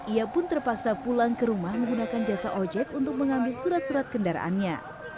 ia pun terpaksa pulang ke rumah menggunakan jasa ojek untuk mengambil surat surat kendaraannya